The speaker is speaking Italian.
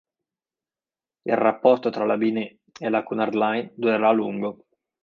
Il rapporto tra la Binet e la Cunard Line durerà a lungo.